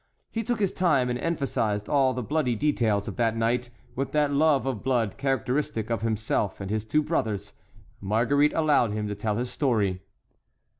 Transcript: He took his time and emphasized all the bloody details of that night, with that love of blood characteristic of himself and his two brothers; Marguerite allowed him to tell his story.